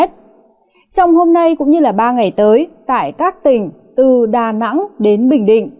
trong hôm nay cũng như ba ngày tới tại các tỉnh từ đà nẵng đến bình định